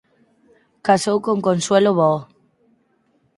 Casou con Consuelo Boo.